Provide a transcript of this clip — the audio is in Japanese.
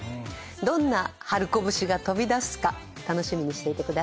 どんなハルコ節が飛び出すか楽しみにしていてください。